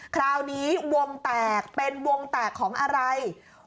คราวนี้วงแตกเป็นวงแตกของอะไร